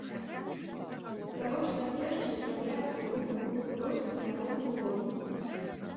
Папярочныя трэшчыны з'яўляюцца ў выніку руху лёду па няроўным ложу.